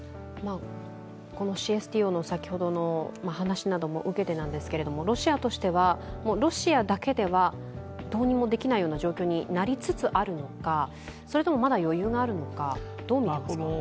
ＣＳＴＯの先ほどの話なども受けてなんですけれども、ロシアとしては、ロシアだけではどうにもできないような状況になりつつあるのかそれともまだ余裕があるのか、どうなんですか。